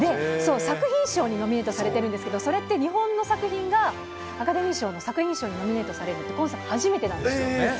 作品賞にノミネートされているんですけど、それって、日本の作品がアカデミー賞の作品賞にノミネートされるって、今作、初めてなんですよ。